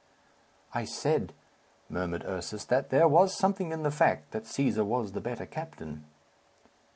"I said," murmured Ursus "that there was something in the fact that Cæsar was the better captain."